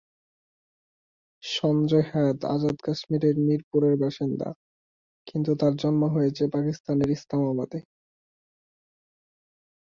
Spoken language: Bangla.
শঞ্জয় হায়াৎ আজাদ কাশ্মীরের মিরপুরের বাসিন্দা, কিন্তু তার জন্ম হয়েছে পাকিস্তানের ইসলামাবাদে।